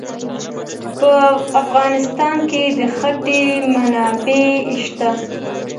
په افغانستان کې د ښتې منابع شته.